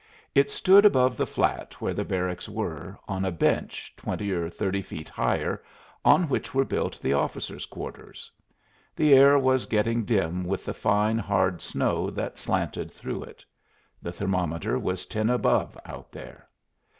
It stood above the flat where the barracks were, on a bench twenty or thirty feet higher, on which were built the officers' quarters. The air was getting dim with the fine, hard snow that slanted through it. The thermometer was ten above out there.